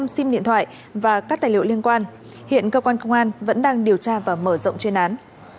năm sim điện thoại và các tài liệu liên quan hiện cơ quan công an vẫn đang điều tra và mở rộng chuyên án